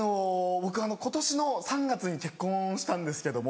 僕今年の３月に結婚したんですけども。